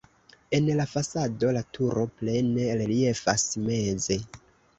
En la fasado la turo plene reliefas meze.